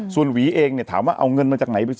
ส่วนหวีเองเนี่ยถามว่าเอาเงินมาจากไหนไปซื้อ